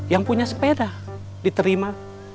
yang punya sepeda diterima